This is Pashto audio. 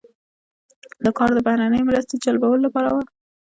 دا کار د بهرنۍ مرستې جلبولو لپاره و.